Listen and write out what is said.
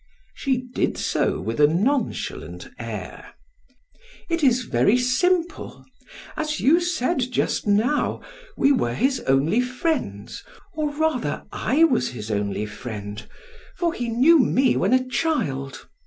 She did so with a nonchalant air: "It is very simple. As you said just now, we were his only friends, or rather, I was his only friend, for he knew me when a child.